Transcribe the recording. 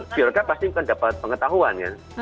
pejabat pasti dapat pengetahuan ya